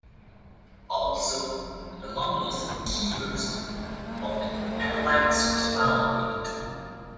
Also the long lost "Qi version" of the Analects was found in the tomb.